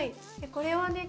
これはね